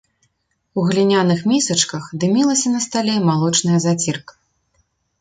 У гліняных місачках дымілася на стале малочная зацірка.